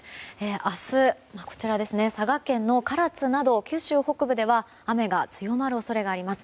明日、佐賀県の唐津など九州北部では雨が強まる恐れがあります。